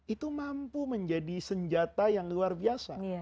itu mampu menjadi senjata yang luar biasa